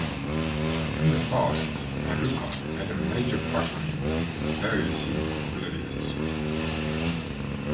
In the past, Haruka had a major crush on him, though he seemed oblivious.